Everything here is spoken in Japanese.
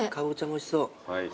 おいしそう。